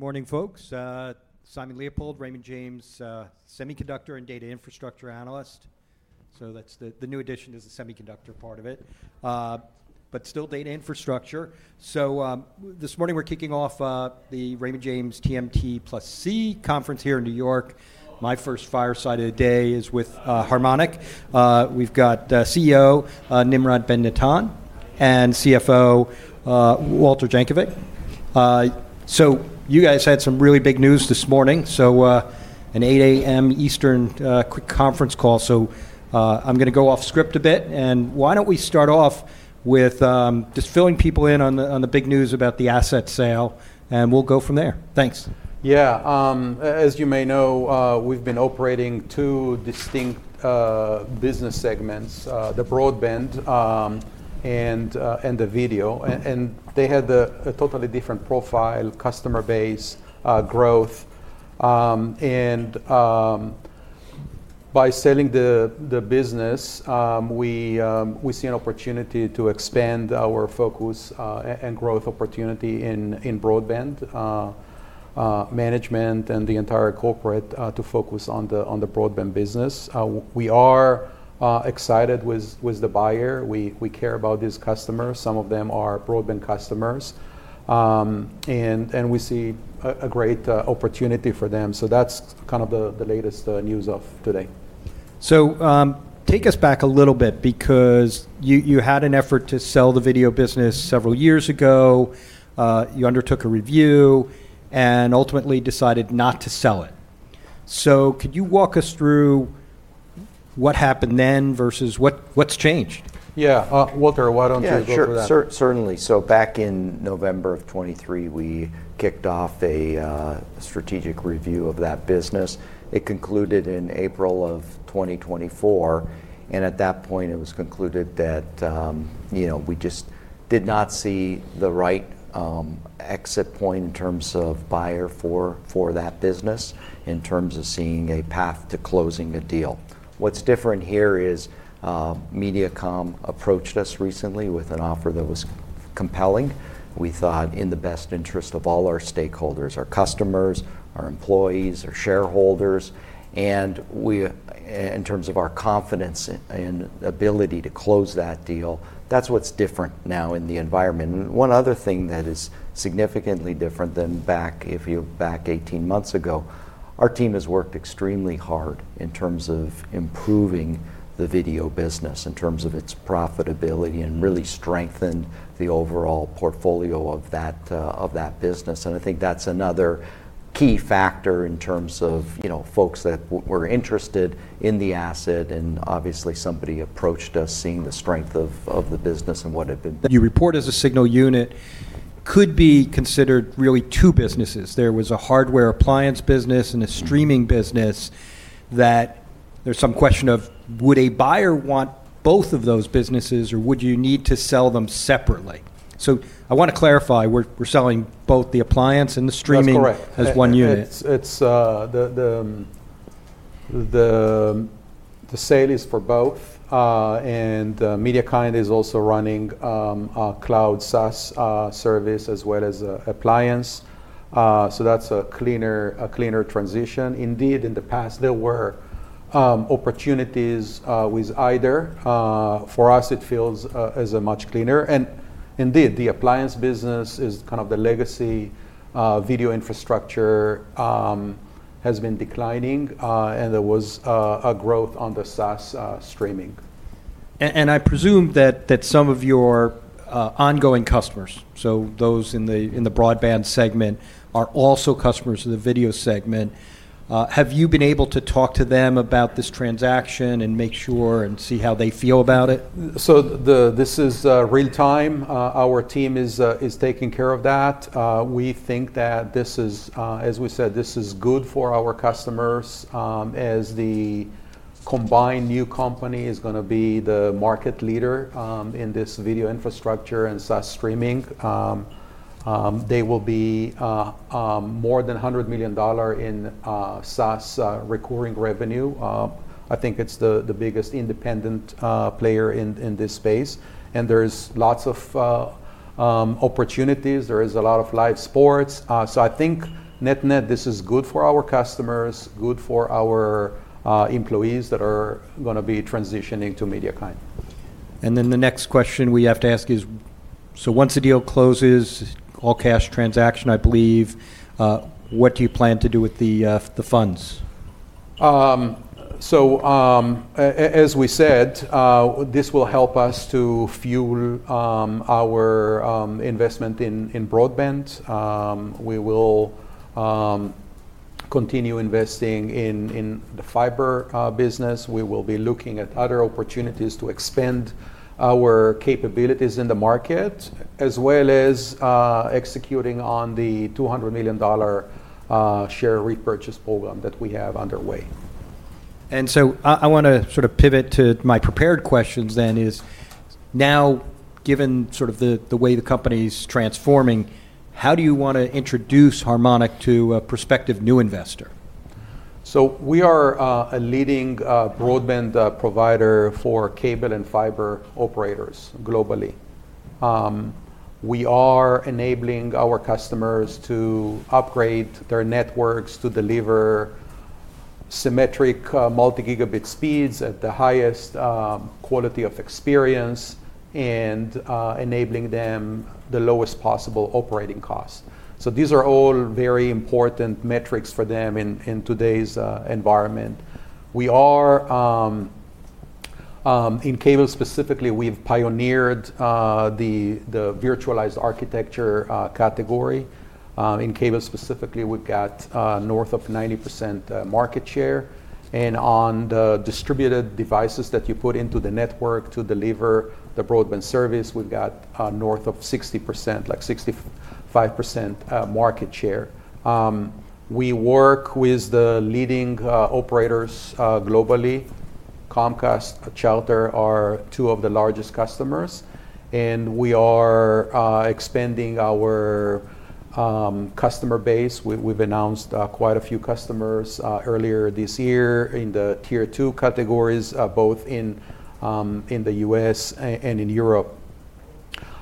Morning, folks. Simon Leopold, Raymond James, Semiconductor and Data Infrastructure Analyst. So that's the new addition is the Semiconductor part of it, but still Data Infrastructure. So this morning we're kicking off the Raymond James TMT & Consumer Conference here in New York. My first fireside of the day is with Harmonic. We've got CEO Nimrod Ben-Natan and CFO Walter Jankovic. So you guys had some really big news this morning. So an 8:00 A.M. Eastern quick conference call. So I'm going to go off script a bit. Why don't we start off with just filling people in on the big news about the asset sale, and we'll go from there. Thanks. Yeah. As you may know, we've been operating two distinct business segments, the Broadband and the Video, and they had a totally different profile, customer base, growth, and by selling the business, we see an opportunity to expand our focus and growth opportunity in broadband management and the entire corporate to focus on the Broadband business. We are excited with the buyer. We care about these customers. Some of them are Broadband customers, and we see a great opportunity for them. So that's kind of the latest news of today. So take us back a little bit, because you had an effort to sell the Video business several years ago. You undertook a review and ultimately decided not to sell it. So could you walk us through what happened then versus what's changed? Yeah. Walter, why don't you go for that? Sure. Certainly. So back in November of 2023, we kicked off a strategic review of that business. It concluded in April of 2024. And at that point, it was concluded that we just did not see the right exit point in terms of buyer for that business, in terms of seeing a path to closing a deal. What's different here is Mediacom approached us recently with an offer that was compelling. We thought, in the best interest of all our stakeholders, our customers, our employees, our shareholders, and in terms of our confidence and ability to close that deal, that's what's different now in the environment. One other thing that is significantly different than back 18 months ago, our team has worked extremely hard in terms of improving the Video business, in terms of its profitability, and really strengthened the overall portfolio of that business. I think that's another key factor in terms of folks that were interested in the asset. Obviously, somebody approached us seeing the strength of the business and what it. You're reported as a single unit could be considered really two businesses. There was a Hardware appliance business and a Streaming business that there's some question of, would a buyer want both of those businesses, or would you need to sell them separately? So I want to clarify, we're selling both the Appliance and the Streaming as one unit. The sale is for both. MediaKind is also running cloud SaaS service as well as appliance. So that's a cleaner transition. Indeed, in the past, there were opportunities with either. For us, it feels as much cleaner. And indeed, the appliance business is kind of the legacy video infrastructure has been declining. There was a growth on the SaaS Streaming. And I presume that some of your ongoing customers, so those in the Broadband segment, are also customers of the Video segment. Have you been able to talk to them about this transaction and make sure and see how they feel about it? So this is real time. Our team is taking care of that. We think that, as we said, this is good for our customers. As the combined new company is going to be the market leader in this video infrastructure and SaaS streaming, they will be more than $100 million in SaaS recurring revenue. I think it's the biggest independent player in this space. There's lots of opportunities. There is a lot of live sports. So I think net-net this is good for our customers, good for our employees that are going to be transitioning to MediaKind. Then the next question we have to ask is, so once the deal closes, all-cash transaction, I believe, what do you plan to do with the funds? So as we said, this will help us to fuel our investment in Broadband. We will continue investing in the fiber business. We will be looking at other opportunities to expand our capabilities in the market, as well as executing on the $200 million share repurchase program that we have underway. And so I want to sort of pivot to my prepared questions then. Now, given sort of the way the company's transforming, how do you want to introduce Harmonic to a prospective new investor? So we are a leading broadband provider for cable and fiber operators globally. We are enabling our customers to upgrade their networks to deliver symmetric multi-gigabit speeds at the highest quality of experience and enabling them the lowest possible operating costs. So these are all very important metrics for them in today's environment. In cable specifically, we've pioneered the virtualized architecture category. In cable specifically, we've got north of 90% market share. On the distributed devices that you put into the network to deliver the broadband service, we've got north of 60%, like 65% market share. We work with the leading operators globally. Comcast, Charter are two of the largest customers. We are expanding our customer base. We've announced quite a few customers earlier this year in the Tier 2 categories, both in the U.S. and in Europe.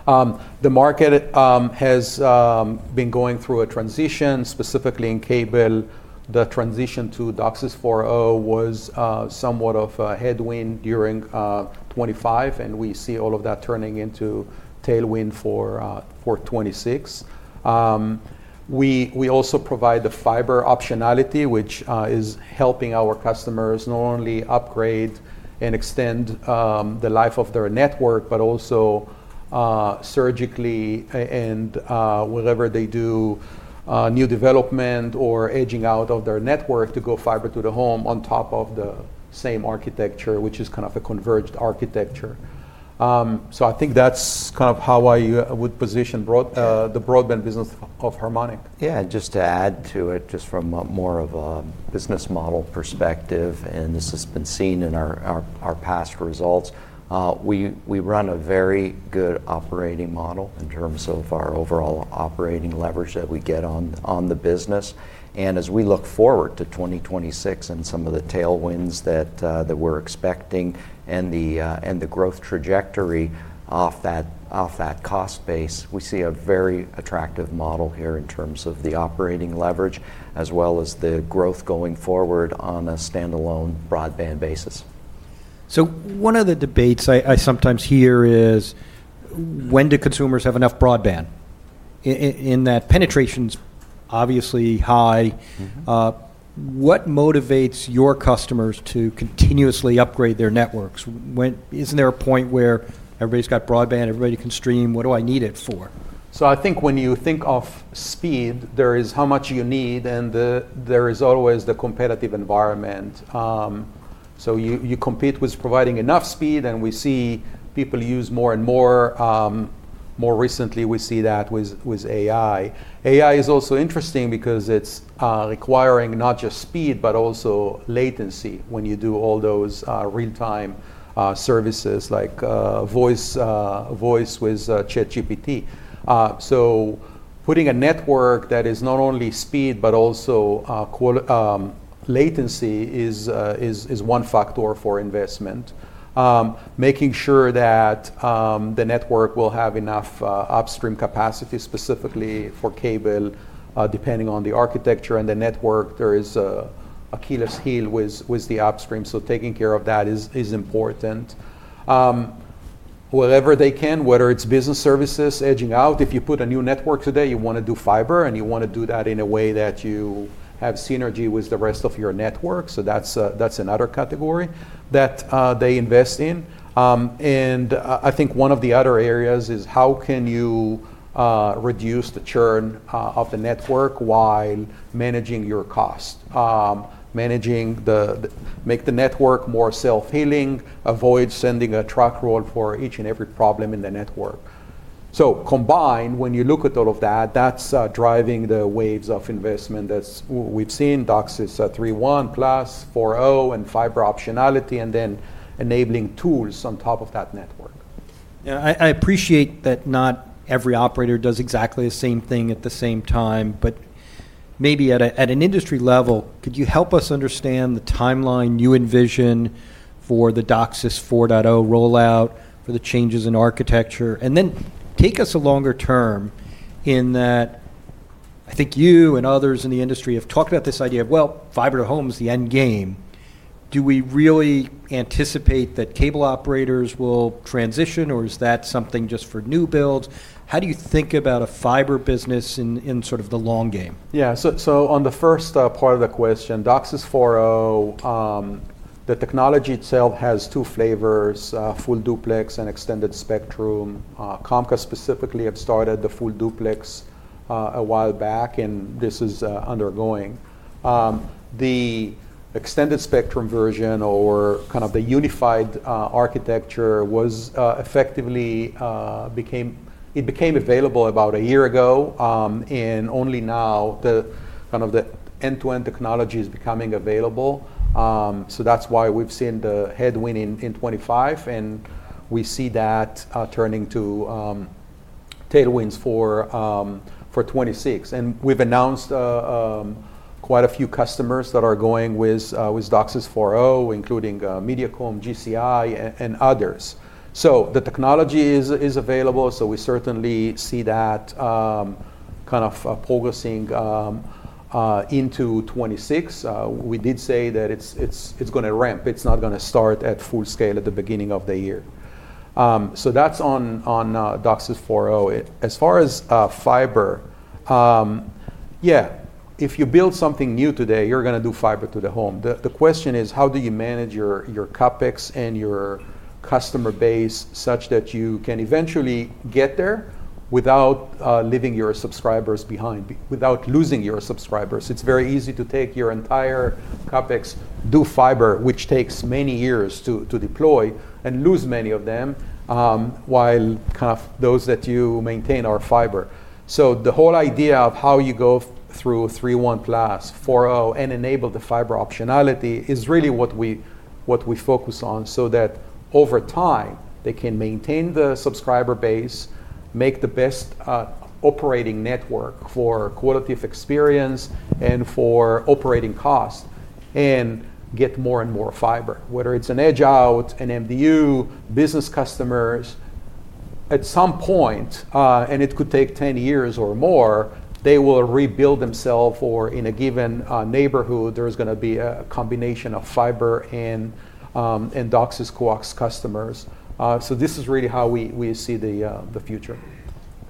The market has been going through a transition. Specifically in cable, the transition to DOCSIS 4.0 was somewhat of a headwind during 2025, and we see all of that turning into tailwind for 2026. We also provide the fiber optionality, which is helping our customers not only upgrade and extend the life of their network, but also surgically, and wherever they do new development or edging out of their network to go fiber to the home on top of the same architecture, which is kind of a converged architecture, so I think that's kind of how I would position the Broadband business of Harmonic. Yeah. Just to add to it, just from more of a business model perspective, and this has been seen in our past results, we run a very good operating model in terms of our overall operating leverage that we get on the business. As we look forward to 2026 and some of the tailwinds that we're expecting and the growth trajectory off that cost base, we see a very attractive model here in terms of the operating leverage, as well as the growth going forward on a standalone Broadband basis. So one of the debates I sometimes hear is, when do consumers have enough broadband? In that penetration is obviously high, what motivates your customers to continuously upgrade their networks? Isn't there a point where everybody's got broadband, everybody can stream? What do I need it for? So I think when you think of speed, there is how much you need, and there is always the competitive environment. So you compete with providing enough speed, and we see people use more and more. More recently, we see that with AI. AI is also interesting because it's requiring not just speed, but also latency when you do all those real-time services like voice with ChatGPT. So putting a network that is not only speed, but also latency is one factor for investment. Making sure that the network will have enough upstream capacity, specifically for cable, depending on the architecture and the network, there is an Achilles' heel with the upstream. So taking care of that is important. Wherever they can, whether it's business services, edging out, if you put a new network today, you want to do fiber, and you want to do that in a way that you have synergy with the rest of your network. So that's another category that they invest in. I think one of the other areas is, how can you reduce the churn of the network while managing your cost, make the network more self-healing, avoid sending a truck roll for each and every problem in the network? Combined, when you look at all of that, that's driving the waves of investment that we've seen, DOCSIS 3.1, plus 4.0, and fiber optionality, and then enabling tools on top of that network. Yeah. I appreciate that not every operator does exactly the same thing at the same time. But maybe at an industry level, could you help us understand the timeline you envision for the DOCSIS 4.0 rollout, for the changes in architecture? And then take us a longer term in that I think you and others in the industry have talked about this idea of, well, Fiber Home is the end game. Do we really anticipate that cable operators will transition, or is that something just for new builds? How do you think about a fiber business in sort of the long game? Yeah. So on the first part of the question, DOCSIS 4.0, the technology itself has two flavors, Full Duplex and Extended Spectrum. Comcast specifically have started the Full Duplex a while back, and this is undergoing. The Extended Spectrum version, or kind of the unified architecture, it became available about a year ago. Only now, kind of the end-to-end technology is becoming available. That's why we've seen the headwind in 2025. We see that turning to tailwinds for 2026. We've announced quite a few customers that are going with DOCSIS 4.0, including Mediacom, GCI, and others. The technology is available. We certainly see that kind of progressing into 2026. We did say that it's going to ramp. It's not going to start at full scale at the beginning of the year. That's on DOCSIS 4.0. As far as fiber, yeah, if you build something new today, you're going to do fiber-to-the-home. The question is, how do you manage your CapEx and your customer base such that you can eventually get there without leaving your subscribers behind, without losing your subscribers? It's very easy to take your entire CapEx, do fiber, which takes many years to deploy, and lose many of them, while kind of those that you maintain are fiber. The whole idea of how you go through 3.1 plus 4.0 and enable the fiber optionality is really what we focus on so that over time, they can maintain the subscriber base, make the best operating network for quality of experience and for operating cost, and get more and more fiber, whether it's an edge-out, an MDU, business customers. At some point, and it could take 10 years or more, they will rebuild themselves, or in a given neighborhood, there's going to be a combination of fiber and DOCSIS coax customers. So this is really how we see the future.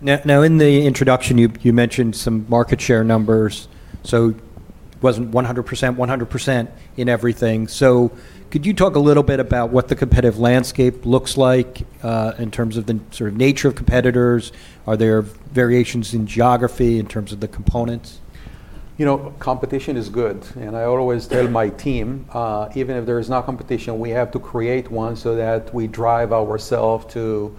Now, in the introduction, you mentioned some market share numbers. It wasn't 100%, 100% in everything. Could you talk a little bit about what the competitive landscape looks like in terms of the sort of nature of competitors? Are there variations in geography in terms of the components? You know, competition is good, and I always tell my team, even if there is no competition, we have to create one so that we drive ourselves to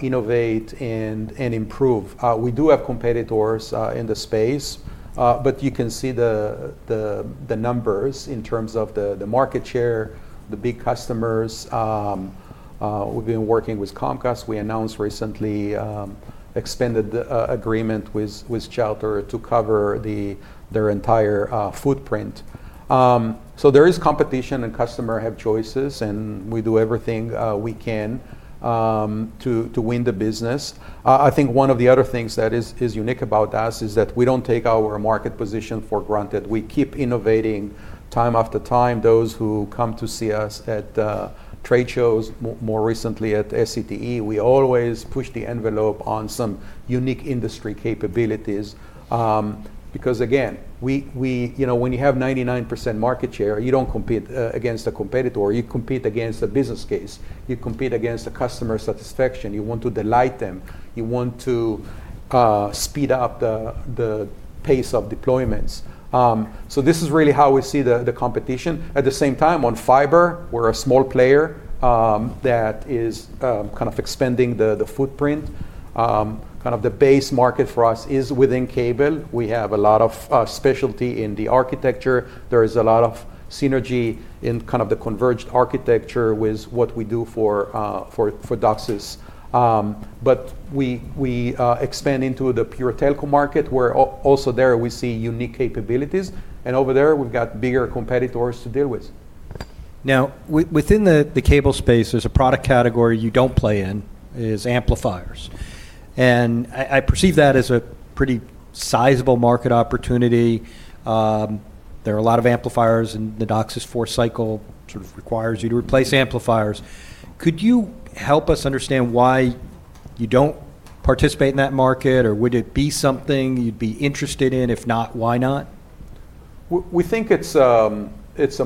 innovate and improve. We do have competitors in the space, but you can see the numbers in terms of the market share, the big customers. We've been working with Comcast. We announced recently an expanded agreement with Charter to cover their entire footprint, so there is competition, and customers have choices. We do everything we can to win the business. I think one of the other things that is unique about us is that we don't take our market position for granted. We keep innovating time after time. Those who come to see us at trade shows, more recently at SCTE, we always push the envelope on some unique industry capabilities. Because again, when you have 99% market share, you don't compete against a competitor. You compete against a business case. You compete against the customer satisfaction. You want to delight them. You want to speed up the pace of deployments, so this is really how we see the competition. At the same time, on fiber, we're a small player that is kind of expanding the footprint. Kind of the base market for us is within cable. We have a lot of specialty in the architecture. There is a lot of synergy in kind of the converged architecture with what we do for DOCSIS. We expand into the pure telco market, where also there we see unique capabilities, and over there, we've got bigger competitors to deal with. Now, within the cable space, there's a product category you don't play in, is amplifiers and I perceive that as a pretty sizable market opportunity. There are a lot of amplifiers, and the DOCSIS 4.0 cycle sort of requires you to replace amplifiers. Could you help us understand why you don't participate in that market, or would it be something you'd be interested in? If not, why not? We think it's a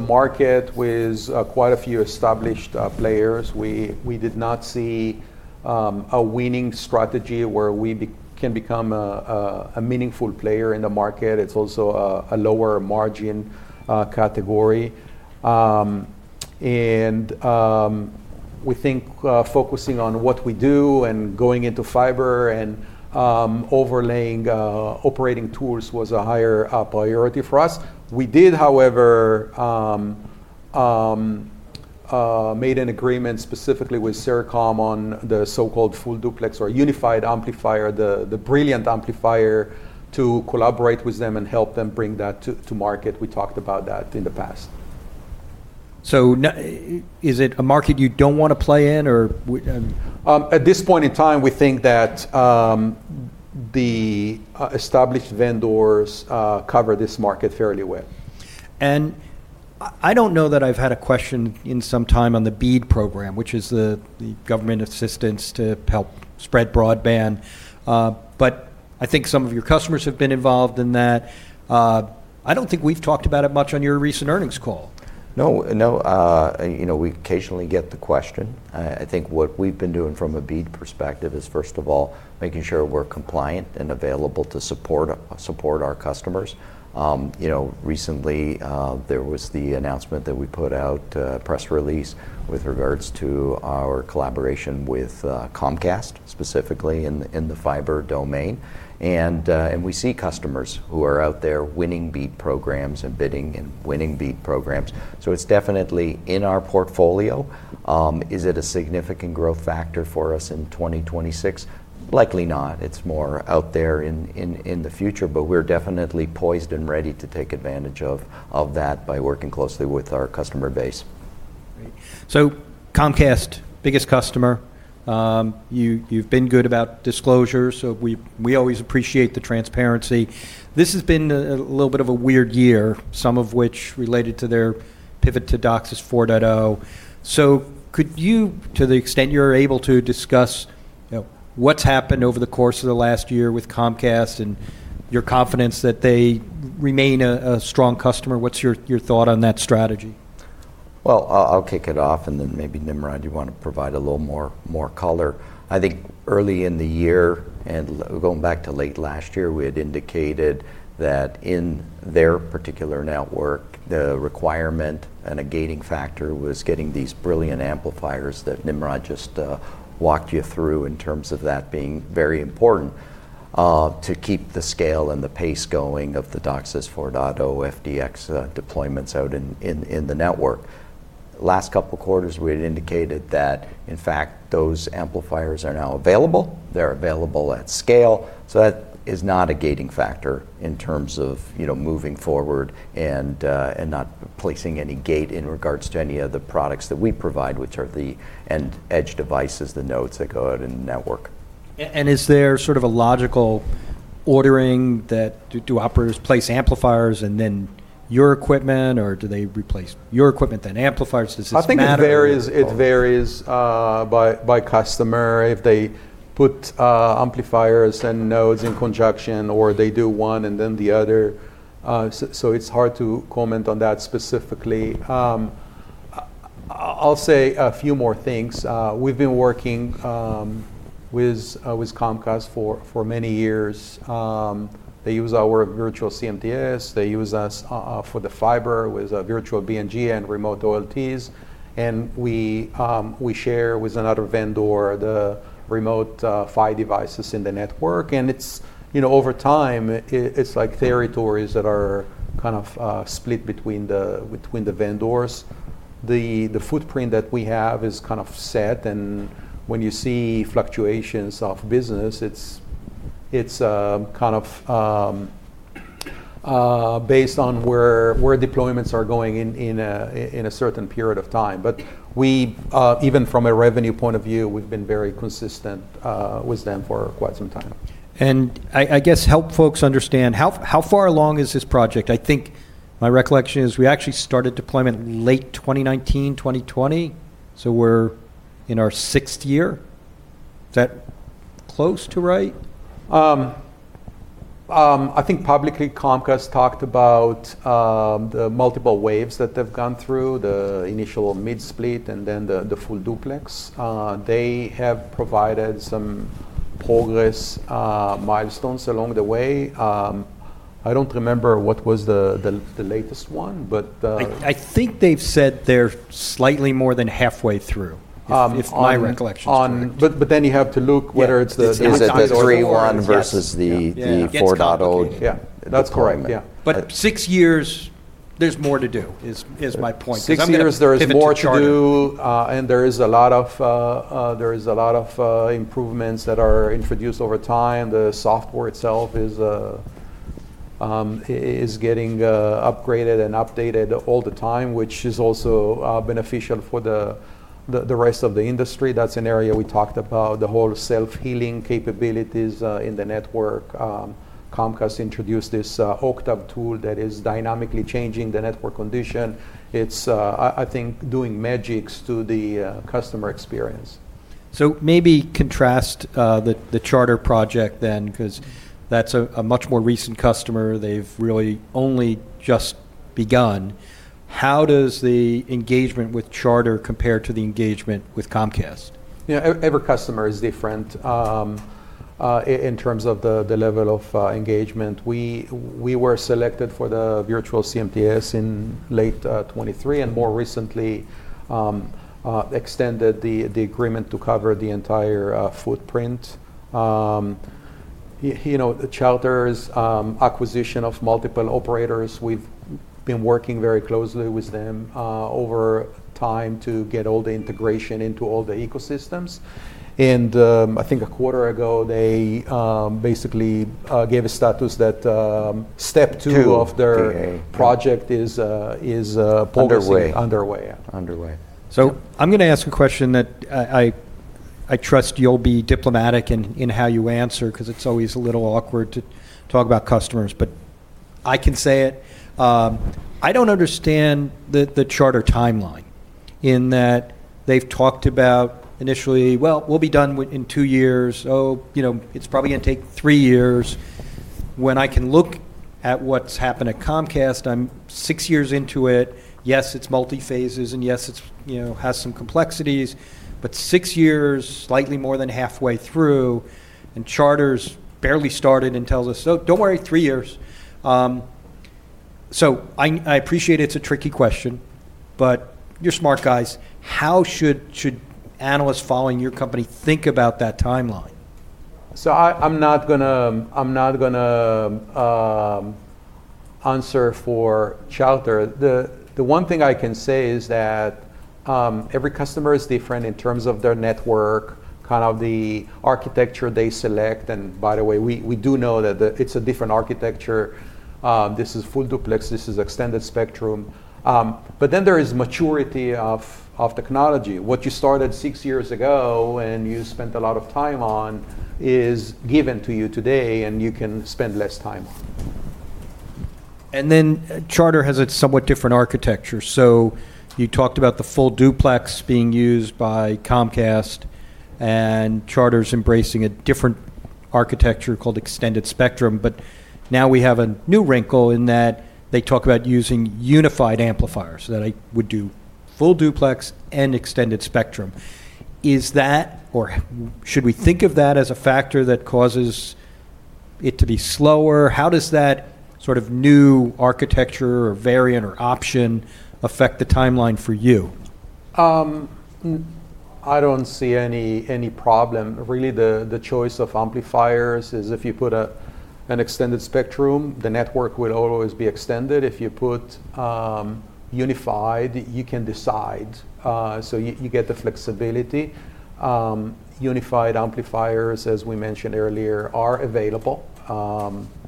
market with quite a few established players. We did not see a winning strategy where we can become a meaningful player in the market. It's also a lower margin category, and we think focusing on what we do and going into fiber and overlaying operating tools was a higher priority for us. We did, however, make an agreement specifically with Sercomm on the so-called Full Duplex or Unified Amplifier, the Brilliant Amplifier, to collaborate with them and help them bring that to market. We talked about that in the past. Is it a market you don't want to play in, or? At this point in time, we think that the established vendors cover this market fairly well. I don't know that I've had a question in some time on the BEAD program, which is the government assistance to help spread Broadband. I think some of your customers have been involved in that. I don't think we've talked about it much on your recent earnings call. No. We occasionally get the question. I think what we've been doing from a BEAD perspective is, first of all, making sure we're compliant and available to support our customers. Recently, there was the announcement that we put out a press release with regards to our collaboration with Comcast, specifically in the fiber domain, and we see customers who are out there winning BEAD programs and bidding and winning BEAD programs, so it's definitely in our portfolio. Is it a significant growth factor for us in 2026? Likely not. It's more out there in the future, but we're definitely poised and ready to take advantage of that by working closely with our customer base. Comcast, biggest customer. You've been good about disclosures. We always appreciate the transparency. This has been a little bit of a weird year, some of which related to their pivot to DOCSIS 4.0. Could you, to the extent you're able to discuss what's happened over the course of the last year with Comcast and your confidence that they remain a strong customer, what's your thought on that strategy? I'll kick it off. Then maybe Nimrod, you want to provide a little more color. I think early in the year and going back to late last year, we had indicated that in their particular network, the requirement and a gating factor was getting these Brilliant Amplifiers that Nimrod just walked you through in terms of that being very important to keep the scale and the pace going of the DOCSIS 4.0 FDX deployments out in the network. Last couple of quarters, we had indicated that, in fact, those amplifiers are now available. They're available at scale. So that is not a gating factor in terms of moving forward and not placing any gate in regards to any of the products that we provide, which are the edge devices, the nodes that go out in the network. Is there sort of a logical ordering that do operators place amplifiers and then your equipment, or do they replace your equipment, then amplifiers? Does this matter? I think it varies by customer. If they put amplifiers and nodes in conjunction, or they do one and then the other, so it's hard to comment on that specifically. I'll say a few more things. We've been working with Comcast for many years. They use our virtual CMTS. They use us for the fiber with virtual BNG and remote OLTs, and we share with another vendor the Remote PHY devices in the network, and over time, it's like territories that are kind of split between the vendors. The footprint that we have is kind of set, and when you see fluctuations of business, it's kind of based on where deployments are going in a certain period of time, but even from a revenue point of view, we've been very consistent with them for quite some time. And I guess help folks understand, how far along is this project? I think my recollection is we actually started deployment late 2019, 2020. So we're in our sixth year. Is that close to right? I think publicly, Comcast talked about the multiple waves that they've gone through, the initial mid-split, and then the Full Duplex. They have provided some progress milestones along the way. I don't remember what was the latest one, but. I think they've said they're slightly more than halfway through, if my recollection is correct. But then you have to look whether it's the. Is it the 3.1 versus the 4.0? Yeah. That's correct. But six years, there's more to do, is my point. Six years, there is more to do. There is a lot of improvements that are introduced over time. The software itself is getting upgraded and updated all the time, which is also beneficial for the rest of the industry. That's an area we talked about, the whole self-healing capabilities in the network. Comcast introduced this Octave tool that is dynamically changing the network condition. It's, I think, doing magic to the customer experience. So maybe contrast the Charter project then, because that's a much more recent customer. They've really only just begun. How does the engagement with Charter compare to the engagement with Comcast? Every customer is different in terms of the level of engagement. We were selected for the virtual CMTS in late 2023 and more recently extended the agreement to cover the entire footprint. Charter's acquisition of multiple operators. We've been working very closely with them over time to get all the integration into all the ecosystems. I think a quarter ago, they basically gave a status that step two of their project is underway. So I'm going to ask a question that I trust you'll be diplomatic in how you answer, because it's always a little awkward to talk about customers, but I can say it. I don't understand the Charter timeline in that they've talked about initially, well, we'll be done in two years. Oh, it's probably going to take three years. When I can look at what's happened at Comcast, I'm six years into it. Yes, it's multi-phased. Yes, it has some complexities. But six years, slightly more than halfway through, and Charter's barely started and tells us, oh, don't worry, three years. I appreciate it's a tricky question. But you're smart guys. How should analysts following your company think about that timeline? So I'm not going to answer for Charter. The one thing I can say is that every customer is different in terms of their network, kind of the architecture they select. And by the way, we do know that it's a different architecture. This is Full Duplex. This is Extended Spectrum. Then there is maturity of technology. What you started six years ago and you spent a lot of time on is given to you today. You can spend less time on it. And then Charter has a somewhat different architecture. You talked about the Full Duplex being used by Comcast and Charter's embracing a different architecture called Extended Spectrum. But now we have a new wrinkle in that they talk about using unified amplifiers, that it would do Full Duplex and Extended Spectrum. Is that, or should we think of that as a factor that causes it to be slower? How does that sort of new architecture or variant or option affect the timeline for you? I don't see any problem. Really, the choice of amplifiers is if you put an Extended Spectrum, the network would always be extended. If you put Unified, you can decide. So you get the flexibility. Unified amplifiers, as we mentioned earlier, are available.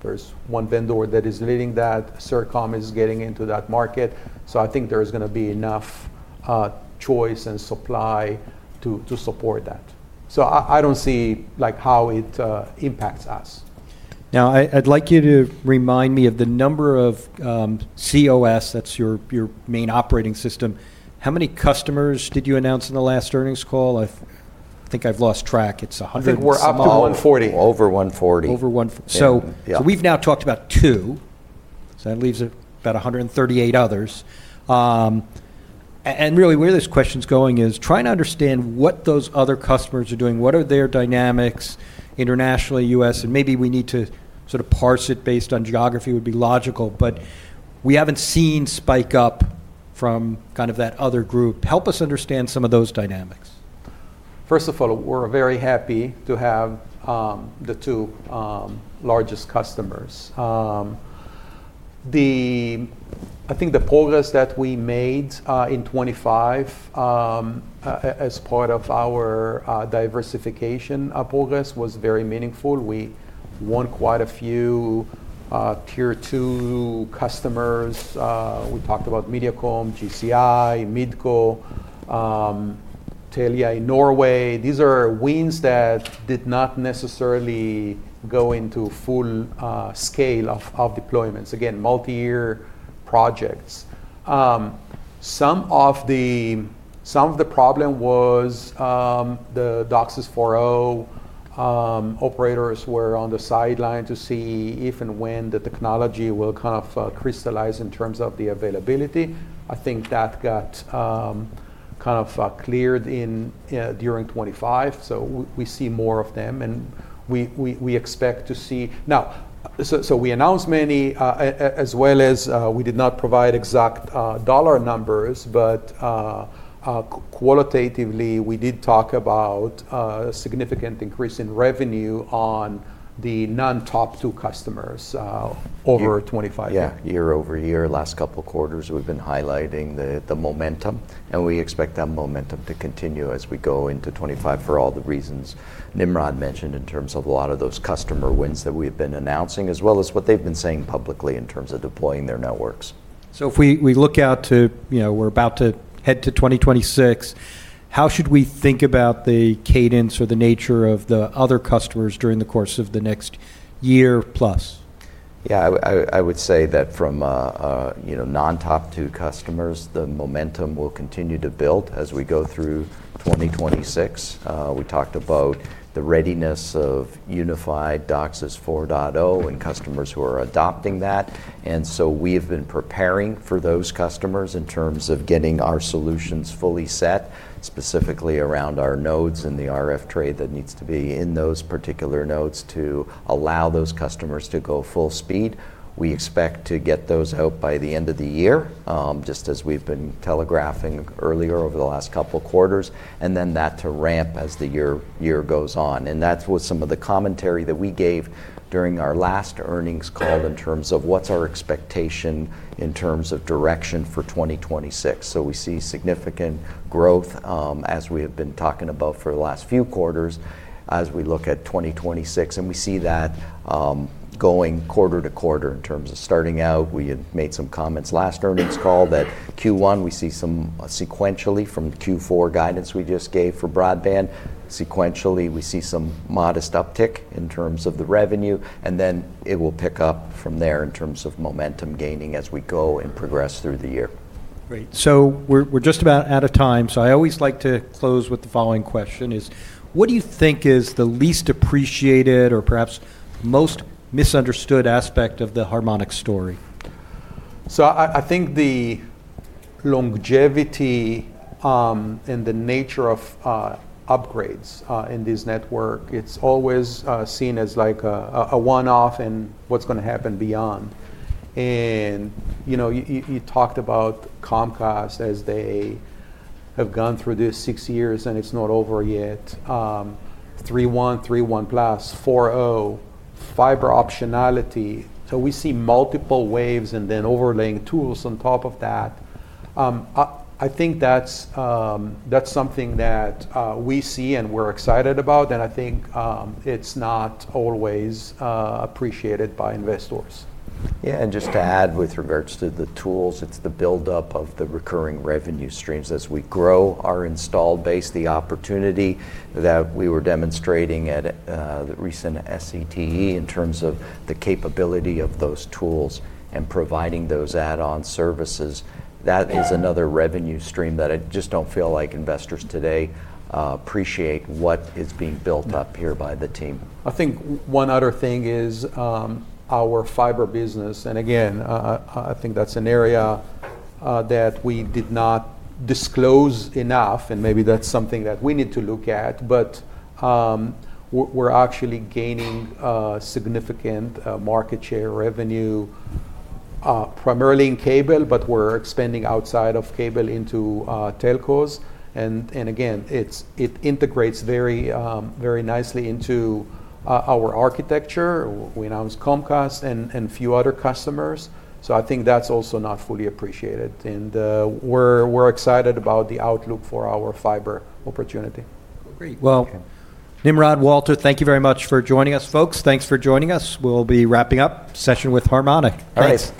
There's one vendor that is leading that. Sercomm is getting into that market. So I think there is going to be enough choice and supply to support that. So I don't see how it impacts us. Now, I'd like you to remind me of the number of cOS, that's your main operating system. How many customers did you announce in the last earnings call? I think I've lost track. It's 100 small. I think we're up to 140. Over 140. So we've now talked about two. So that leaves about 138 others. And really, where this question's going is trying to understand what those other customers are doing, what are their dynamics internationally, U.S. And maybe we need to sort of parse it based on geography would be logical. But we haven't seen spike up from kind of that other group. Help us understand some of those dynamics. First of all, we're very happy to have the two largest customers. I think the progress that we made in 2025 as part of our diversification progress was very meaningful. We won quite a few Tier 2 customers. We talked about Mediacom, GCI, Midco, Telia in Norway. These are wins that did not necessarily go into full scale of deployments, again, multi-year projects. Some of the problem was the DOCSIS 4.0 operators were on the sidelines to see if and when the technology will kind of crystallize in terms of the availability. I think that got kind of cleared during 2025, so we see more of them. We expect to see now, so we announced many, as well as we did not provide exact dollar numbers. Qualitatively, we did talk about a significant increase in revenue on the non-top two customers over 2025. Yeah. Year-over-year, last couple of quarters, we've been highlighting the momentum, and we expect that momentum to continue as we go into 2025 for all the reasons Nimrod mentioned in terms of a lot of those customer wins that we have been announcing, as well as what they've been saying publicly in terms of deploying their networks. If we look out to we're about to head to 2026, how should we think about the cadence or the nature of the other customers during the course of the next year plus? Yeah. I would say that from non-top two customers, the momentum will continue to build as we go through 2026. We talked about the readiness of unified DOCSIS 4.0 and customers who are adopting that, and so we have been preparing for those customers in terms of getting our solutions fully set, specifically around our nodes and the RF tray that needs to be in those particular nodes to allow those customers to go full speed. We expect to get those out by the end of the year, just as we've been telegraphing earlier over the last couple of quarters, and then that to ramp as the year goes on, and that's what some of the commentary that we gave during our last earnings call in terms of what's our expectation in terms of direction for 2026. We see significant growth as we have been talking about for the last few quarters as we look at 2026. We see that going quarter to quarter in terms of starting out. We had made some comments last earnings call that Q1, we see some sequentially from Q4 guidance we just gave for Broadband. Sequentially, we see some modest uptick in terms of the revenue. Then it will pick up from there in terms of momentum gaining as we go and progress through the year. Great. So we're just about out of time. So I always like to close with the following question. What do you think is the least appreciated or perhaps most misunderstood aspect of the Harmonic story? So, I think the longevity and the nature of upgrades in this network. It's always seen as like a one-off and what's going to happen beyond. You talked about Comcast as they have gone through these six years, and it's not over yet. 3.1, 3.1 Plus, 4.0, fiber optionality. We see multiple waves and then overlaying tools on top of that. I think that's something that we see and we're excited about. I think it's not always appreciated by investors. Yeah. And just to add with regards to the tools, it's the buildup of the recurring revenue streams as we grow our installed base, the opportunity that we were demonstrating at the recent SCTE in terms of the capability of those tools and providing those add-on services. That is another revenue stream that I just don't feel like investors today appreciate what is being built up here by the team. I think one other thing is our fiber business. And again, I think that's an area that we did not disclose enough. Maybe that's something that we need to look at. But we're actually gaining significant market share revenue, primarily in cable, but we're expanding outside of cable into telcos. And again, it integrates very nicely into our architecture. We announced Comcast and a few other customers. So I think that's also not fully appreciated. We're excited about the outlook for our fiber opportunity. Great. Nimrod, Walter, thank you very much for joining us, folks. Thanks for joining us. We'll be wrapping up session with Harmonic. Thanks.